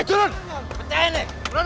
jalan terus nih boy